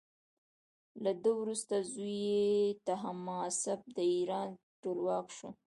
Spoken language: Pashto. له ده وروسته زوی یې تهماسب د ایران ټولواک شو.